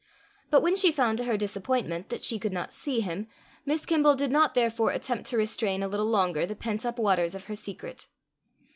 But when she found to her disappointment that she could not see him, Miss Kimble did not therefore attempt to restrain a little longer the pent up waters of her secret.